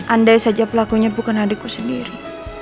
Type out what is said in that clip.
andai saja pelakunya bukan adikku sendiri